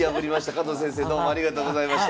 加藤先生どうもありがとうございました。